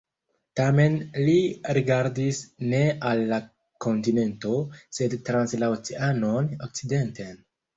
Tamen li rigardis ne al la kontinento, sed trans la oceanon, okcidenten.